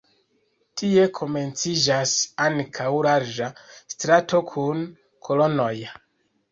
Tie komenciĝas ankaŭ larĝa strato kun kolonoj.